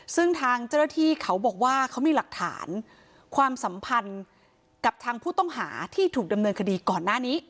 ซึ่งทางเจ้าหน้าที่เขาบอกว่าเขามีหลักฐานความสัมพันธ์กับทางผู้ต้องหาที่ถูกดำเนินคดีก่อนหน้านี้